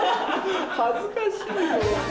恥ずかしいよ。